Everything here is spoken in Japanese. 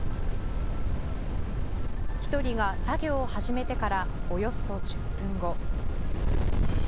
１人が作業を始めてからおよそ１０分後。